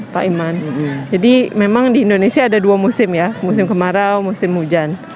pak iman jadi memang di indonesia ada dua musim ya musim kemarau musim hujan